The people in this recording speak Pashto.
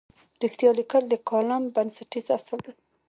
رښتیا لیکل د کالم بنسټیز اصل دی.